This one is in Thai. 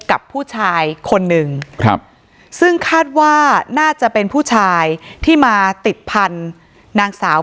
กับผู้ชายคนหนึ่งครับซึ่งคาดว่าน่าจะเป็นผู้ชายที่มาติดพันธุ์นางสาว